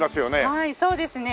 はいそうですね